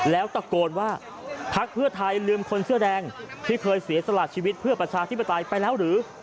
แล้วตะโกนว่าพักเพื่อไทยลืมคนเสื้อแดงที่เคยเสียสละชีวิตเพื่อประชาธิปไตยไปแล้วหรือ